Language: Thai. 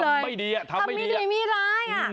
ทำไม่ดีทำไม่ดีทำไม่มีราย